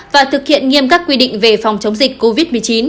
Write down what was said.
và thực hiện nghiêm các quy định về phòng chống dịch covid một mươi chín